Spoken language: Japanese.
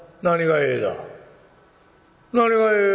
何が『え』だ。